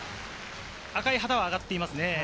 赤い旗が上がっています。